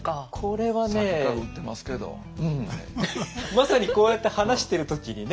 まさにこうやって話してる時にね